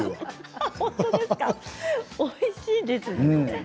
おいしいですよね。